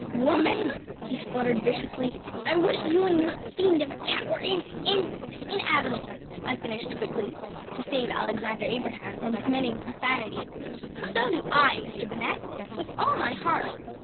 ‚ÄúWoman,‚ÄĚ he spluttered viciously, “I wish you and your fiend of a cat were in in ‚ÄĚ “In Avonlea,‚ÄĚ I finished quickly, to save Alexander Abraham from committing profanity. “So do I, Mr. Bennett, with all my heart.